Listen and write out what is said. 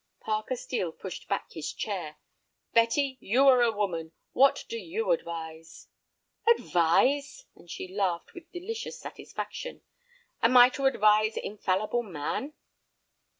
Parker Steel pushed back his chair. "Betty, you are a woman, what do you advise?" "Advise!" and she laughed with delicious satisfaction. "Am I to advise infallible man?"